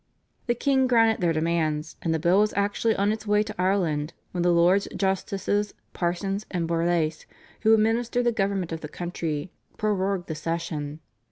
The king granted their demands, and the bill was actually on its way to Ireland when the Lords Justices, Parsons and Borlase, who administered the government of the country prorogued the session.